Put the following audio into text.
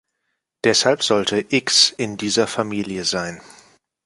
Deshalb sollte „X“ in dieser Familie sein.